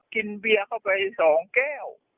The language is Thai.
กินเบียเข้าไปสองแก้ว